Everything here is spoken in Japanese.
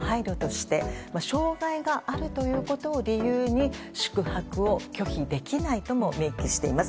また、指針案では障害者への配慮として障害があるということを理由に宿泊を拒否できないとも明記しています。